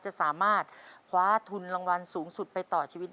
จะสามารถคว้าทุนรางวัลสูงสุดไปต่อชีวิตได้